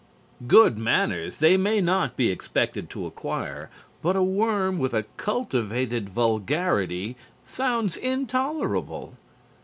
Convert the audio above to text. Good manners they may not be expected to acquire, but a worm with a cultivated vulgarity sounds intolerable.